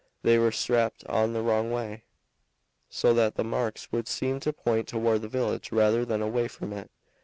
They were strapped on the wrong way, so that the marks would seem to point toward the village rather than away from it.